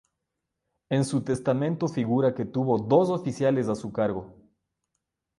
En su testamento figura que tuvo dos oficiales a su cargo.